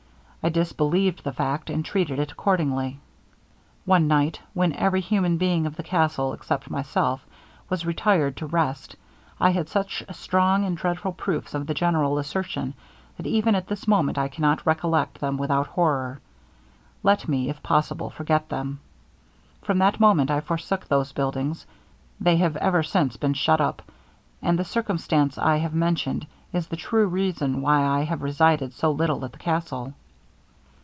I disbelieved the fact, and treated it accordingly. One night, when every human being of the castle, except myself, was retired to rest, I had such strong and dreadful proofs of the general assertion, that even at this moment I cannot recollect them without horror. Let me, if possible, forget them. From that moment I forsook those buildings; they have ever since been shut up, and the circumstance I have mentioned, is the true reason why I have resided so little at the castle.'